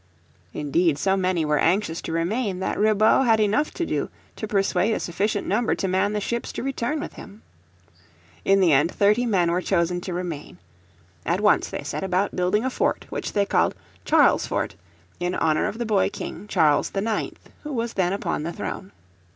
Indeed so many were anxious to remain that Ribaut had enough to do to persuade a sufficient number to man the ships to return with him. In the end thirty men were chosen to remain. At once they set about building a fort which they called Charlesfort in honour of the boy King, Charles IX, who was then upon the throne.